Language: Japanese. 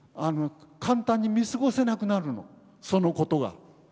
簡単に見過ごせなくなるのそのことが。